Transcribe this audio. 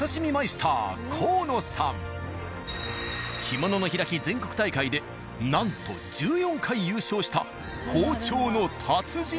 干物の開き全国大会でなんと１４回優勝した包丁の達人。